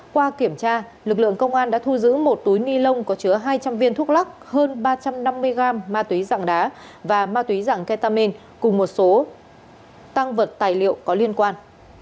qua kiểm tra lực lượng công an đã thu giữ một túi ni lông có chứa hai trăm linh viên thuốc lắc hơn ba trăm năm mươi g ma túy dạng đá và ma túy dạng ketamin cùng một số tăng vật tài liệu có liên quan